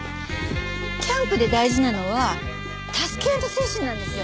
キャンプで大事なのは助け合いの精神なんですよ。